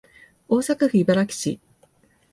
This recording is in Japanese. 大阪府茨木市